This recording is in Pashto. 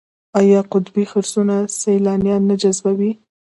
آیا قطبي خرسونه سیلانیان نه جذبوي؟